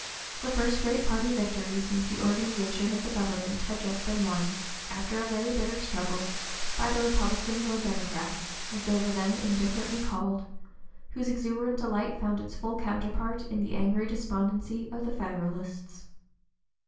The first great party victory since the organization of the government had just been won, after a very bitter struggle, by the Republicans or Democrats, as they were then indifferently called, whose exuberant delight found its full counterpart in the angry despondency of the Federalists.